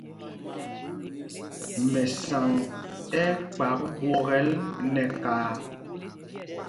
Mɛsaŋ ɛ́ ɛ́ kpak ɓwokɛl nɛ kaā.